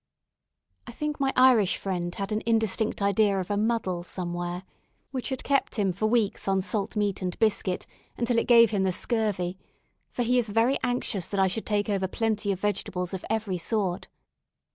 I think my Irish friend had an indistinct idea of a "muddle" somewhere, which had kept him for weeks on salt meat and biscuit, until it gave him the "scurvy," for he is very anxious that I should take over plenty of vegetables, of every sort.